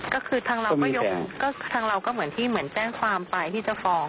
ก็คือทางเราก็ทางเราก็เหมือนที่เหมือนแจ้งความไปที่จะฟ้อง